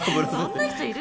そんな人いる！？